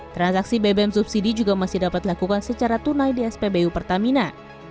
transaksi bbm subsidi juga masih dapat dilakukan secara tunai di spbu pertamina